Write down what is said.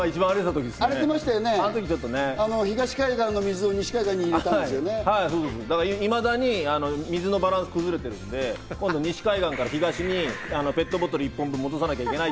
東海岸の水を西海岸に入れたいまだに水のバランスが崩れてるので今度は西海岸から東にペットボトル１本分、戻さなきゃいけない。